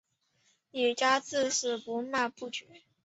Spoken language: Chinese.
李圭至死大骂不绝。